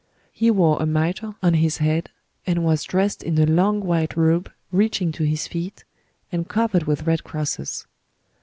He wore a mitre on his head, and was dressed in a long white robe reaching to his feet, and covered with red crosses.